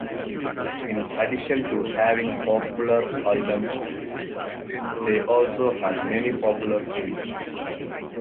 In addition to having popular albums, they also had many popular singles.